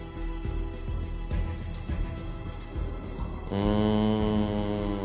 うん。